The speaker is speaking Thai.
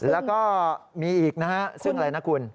แล้วก็มีอีกนะครับชื่ออะไรนะคุณ